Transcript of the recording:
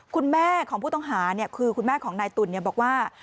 คุณแม่ของผู้ต้องหาคือคุณแม่ของนายตุ๋นบอกว่า